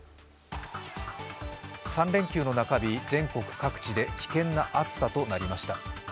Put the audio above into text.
３連休の中日、全国各地で危険な暑さとなりました。